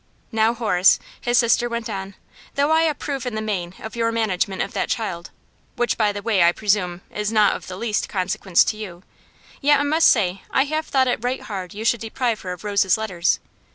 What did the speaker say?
"Now, Horace," his sister went on, "though I approve in the main of your management of that child which, by the way, I presume, is not of the least consequence to you yet I must say I have thought it right hard you should deprive her of Rose's letters.